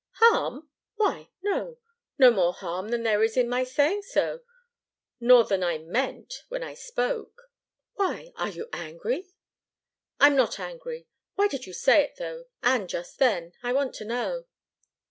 "Harm! why no no more harm than there is in my saying so nor than I meant, when I spoke. Why, are you angry?" "I'm not angry. Why did you say it, though and just then? I want to know."